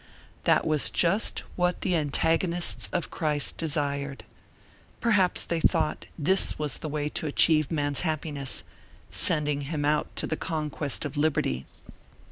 That was just what the antagonists of Christ desired. Perhaps they thought this was the way to achieve man's happiness, sending him out to the conquest of liberty.